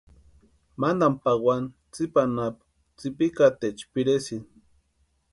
Mantani pawani tsipa anapu tsïpikataecha piresïnti.